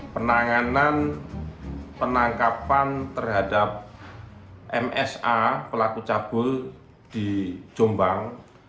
penanganan penangkapan terhadap msa pelaku cabul di jombang